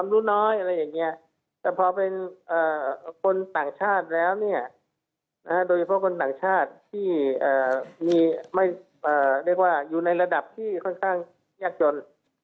ที่ค่อนข้างยากจน